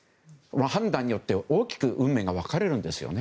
判断によって大きく運命が分かれるんですよね。